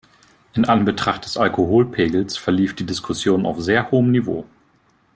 In Anbetracht des Alkoholpegels verlief die Diskussion auf sehr hohem Niveau.